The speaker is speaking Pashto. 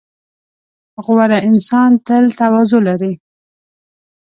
• غوره انسان تل تواضع لري.